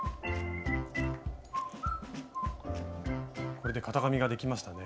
これで型紙ができましたね。